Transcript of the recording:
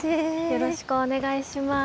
よろしくお願いします。